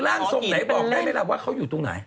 แล้วก็มีให้เราบอกได้ไหมนะว่าเขาอยู่ตรงไหน